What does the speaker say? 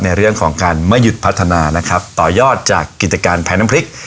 ในเรื่องของการไม่หยุดพัฒนานะครับต่อยอดจากกิจการแพ้น้ำพริก